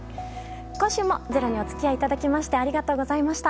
今週も「ｚｅｒｏ」にお付き合いいただきましてありがとうございました。